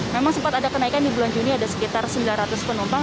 memang sempat ada kenaikan di bulan juni ada sekitar sembilan ratus penumpang